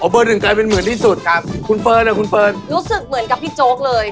เบอร์๑กลายเป็นเหมือนที่สุดคุณเฟิร์นเหมือนกับพี่โจ๊กเลย